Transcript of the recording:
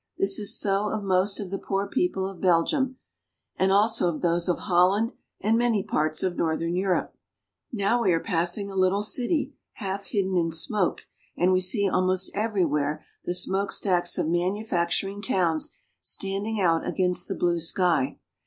This is so of most of the poor people of Bel gium, and also of those of Holland and many parts of northern Eu rope. Now we are passing a little city half hidden in smoke, and we see almost everywhere the smokestacks of manu facturing towns stand ing out against the blue sky.